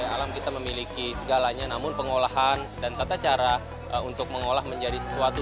alam kita memiliki segalanya namun pengolahan dan tata cara untuk mengolah menjadi sesuatu